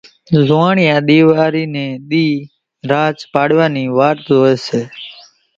زوئاڻيا ۮيواري ني ۮي راچ پڙيا نِي واٽ زوئي سي